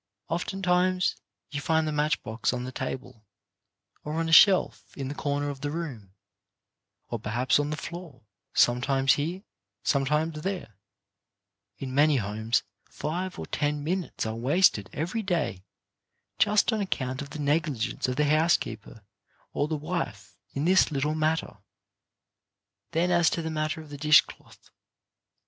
Oftentimes you find the match box on the table, or on a shelf in the corner of the room, or perhaps on the floor; sometimes here, sometimes there. 84 CHARACTER BUILDING In many homes five or ten minutes are wasted every day just on account of the negligence of the housekeeper or the wife in this little matter. Then as to the matter of the dish cloth.